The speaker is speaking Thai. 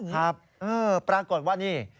ครับปรากฏว่านี่